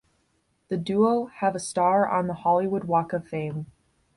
The duo have a star on the Hollywood Walk of Fame.